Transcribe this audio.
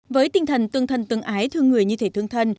với tinh thần tương thân tương ái thương người như thể thương thân